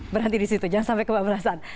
berhenti disitu jangan sampai kebab belasan